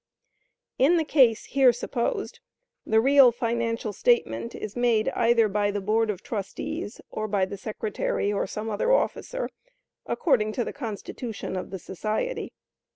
In the case here supposed, the real financial statement is made either by the board of trustees, or by the secretary or some other officer, according to the Constitution of the society.